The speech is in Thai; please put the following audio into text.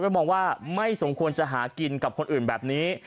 มองว่าไม่สมควรจะหากินกับคนอื่นแบบนี้